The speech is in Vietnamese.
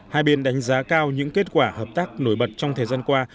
hai bên đánh giá cao những kết quả hợp tác nổi bật trong thời gian qua